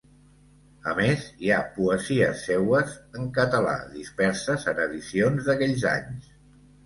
A més, hi ha poesies seues en català disperses en edicions d'aquells anys.